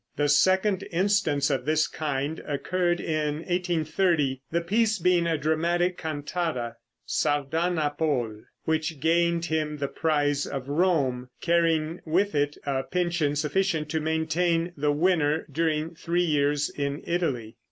The second instance of this kind occurred in 1830, the piece being a dramatic cantata "Sardanapole," which gained him the prize of Rome, carrying with it a pension sufficient to maintain the winner during three years in Italy.